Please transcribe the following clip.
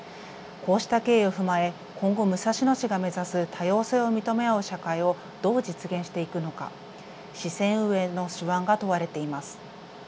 こうした経緯を踏まえ今後、武蔵野市が目指す多様性を認め合う社会をどう実現していくのか、市政運営の手腕が問われています。